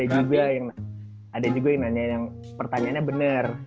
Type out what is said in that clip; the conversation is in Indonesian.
cuman ada juga yang nanya yang pertanyaannya bener